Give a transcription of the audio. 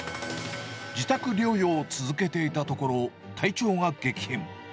自宅療養を続けていたところ、体調が激変。